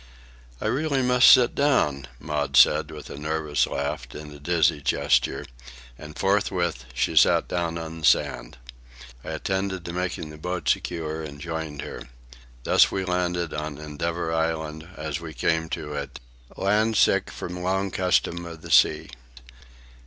"I really must sit down," Maud said, with a nervous laugh and a dizzy gesture, and forthwith she sat down on the sand. I attended to making the boat secure and joined her. Thus we landed on Endeavour Island, as we came to it, land sick from long custom of the sea.